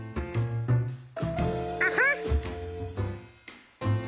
アハッ。